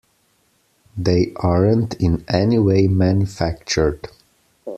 They aren't in any way manufactured.